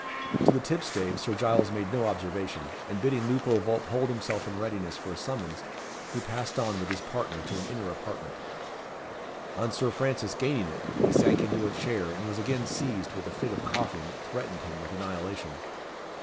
To the tipstaves Sir Giles made no observation, and bidding Lupo Vulp hold himself in readiness for a summons, he passed on with his partner to an inner apartment. On Sir Francis gaining it, he sank into a chair, and was again seized with a fit of coughing that threatened him with annihilation.